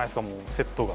セットが。